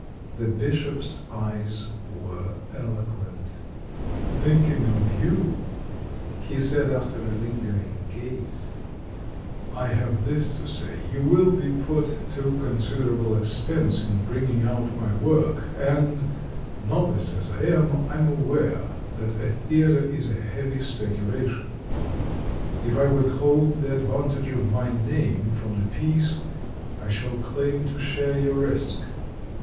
The Bishop's eyes were eloquent. "Thinking of you," he said, after a lingering gaze, "I have this to say: you will be put to considerable ex pense in bringing out my work, and, novice as I am, I'm aware that a theatre is a heavy specula tion; if I withhold the advantage of my name from the piece, I shall claim to share your risk."